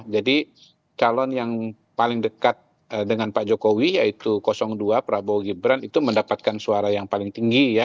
jadi calon yang paling dekat dengan pak jokowi yaitu dua prabowo gibran itu mendapatkan suara yang paling tinggi ya